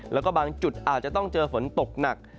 แล้วก็บางจุดอาจจะต้องเจอฝนตกหนัก